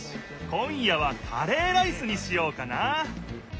今夜はカレーライスにしようかな。